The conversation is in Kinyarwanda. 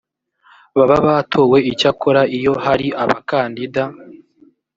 baba batowe icyakora iyo hari abakandida